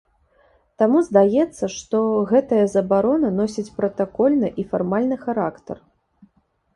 Таму здаецца, што гэтая забарона носіць пратакольны і фармальны характар.